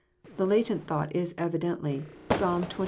The latent thought is evi dently Psalm xxiii.